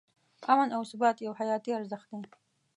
امن او ثبات یو حیاتي ارزښت دی.